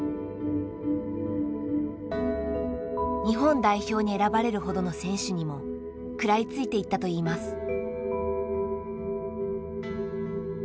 日本代表に選ばれるほどの選手にも食らいついていったといいます。